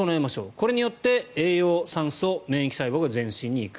これによって栄養、酸素免疫細胞が全身に行く。